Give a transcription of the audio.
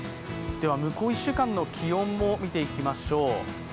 では向こう１週間の気温も見ていきましょう。